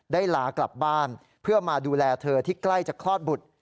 ลากลับบ้านเพื่อมาดูแลเธอที่ใกล้จะคลอดบุตร